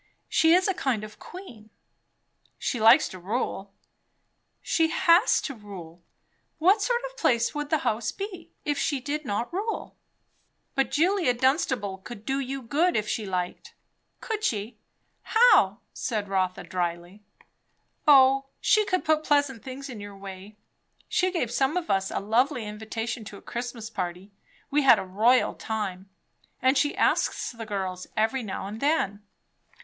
She is a kind of a queen!" "She likes to rule." "She has to rule. What sort of a place would the house be, if she did not rule?" "But, Julia Dunstable could do you good, if she liked." "Could she? How?" said Rotha drily. "O she could put pleasant things in your way. She gave some of us a lovely invitation to a Christmas party; we had a royal time; and she asks the girls every now and then."